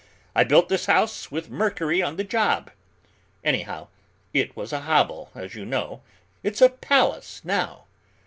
I built this house with Mercury on the job, anyhow; it was a hovel, as you know, it's a palace now!